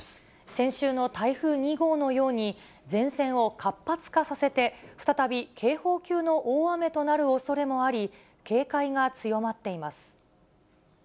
先週の台風２号のように、再び警報級の大雨となるおそれもあり、警戒が強まっています。